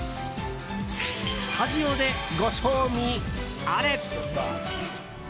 スタジオでご賞味あれ。